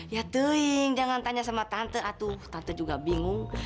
ya tuing jangan tanya sama tante atuh tante tante juga bingung